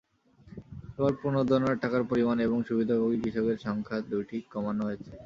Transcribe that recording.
এবার প্রণোদনার টাকার পরিমাণ এবং সুবিধাভোগী কৃষকের সংখ্যা দুটিই কমানো হয়েছে।